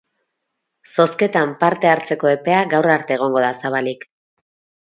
Zozketan parte hartzeko epea gaur arte egongo da zabalik.